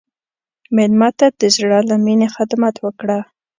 مېلمه ته د زړه له میني خدمت وکړه.